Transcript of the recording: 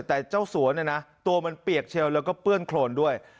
แต่เจ้าสัวเนี่ยนะตัวมันเปียกเชลแล้วก็เปื้อนโครนด้วย